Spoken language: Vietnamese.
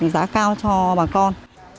giá cao cho bà con